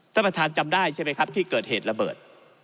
ท่านประธานจำได้ใช่ไหมครับที่เกิดเหตุระเบิด